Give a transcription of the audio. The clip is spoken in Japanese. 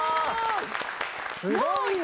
すごいね！